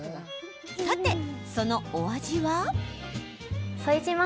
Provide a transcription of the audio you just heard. さて、そのお味は？